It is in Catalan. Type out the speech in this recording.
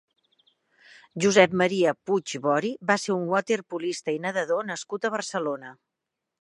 Josep Maria Puig Bori va ser un waterpolista i nedador nascut a Barcelona.